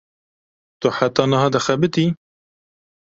Tu heta niha dixebitî?